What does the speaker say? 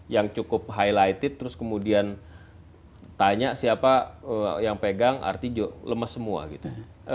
yang cukup highlighted terus kemudian tanya siapa yang pegang artijo lemes semua gitu